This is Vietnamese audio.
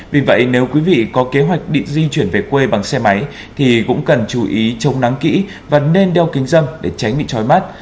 vì vậy nếu quý vị có kế hoạch đi di chuyển về quê bằng xe máy thì cũng cần chú ý chống nắng kỹ và nên đeo kính râm để tránh bị trói mắt